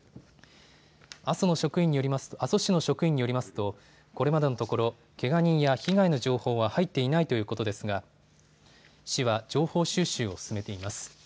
阿蘇市の職員によりますとこれまでのところ、けが人や被害の情報は入っていないということですが市は情報収集を進めています。